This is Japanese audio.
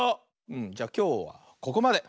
うんじゃきょうここまで。